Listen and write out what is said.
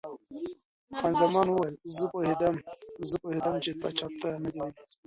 خان زمان وویل: زه پوهېدم، زه پوهېدم چې تا چا ته نه دي ویلي.